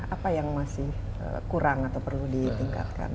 apa yang masih kurang atau perlu ditingkatkan